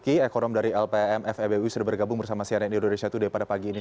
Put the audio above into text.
kiki ekonom dari lpm febu sudah bergabung bersama cnn indonesia today pada pagi ini